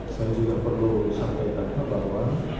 saya juga perlu sampaikan bahwa